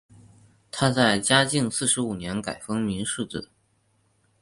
他在嘉靖四十五年改封岷世子。